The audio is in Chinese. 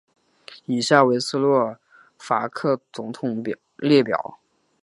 以下为斯洛伐克总统列表。